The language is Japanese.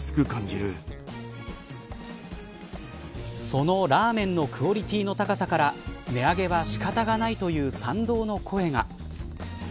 そのラーメンのクオリティーの高さから値上げは仕方ないという賛同の声が。